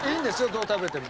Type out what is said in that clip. どう食べても。